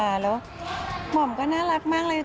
แล้วหม่อมก็น่ารักมากเลย